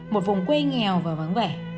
một vùng quê nghèo và vắng vẻ